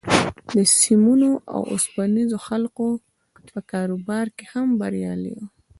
د سيمونو او اوسپنيزو حلقو په کاروبار کې هم بريالی و.